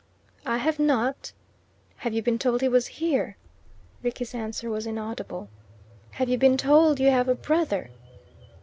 "I have not." "Have you been told he was here?" Rickie's answer was inaudible. "Have you been told you have a brother?"